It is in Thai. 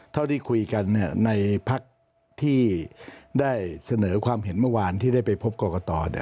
เท่าที่คุยกันในพักที่ได้เสนอความเห็นเมื่อวานที่ได้ไปพบกรกต